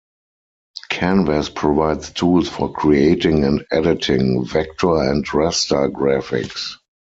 Canvas provides tools for creating and editing vector and raster graphics.